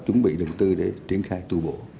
chuẩn bị đồng tư để triển khai tù bộ